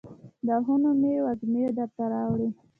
د آهونو مې وږمې درته راوړي